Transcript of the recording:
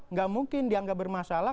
enggak mungkin dianggap bermasalah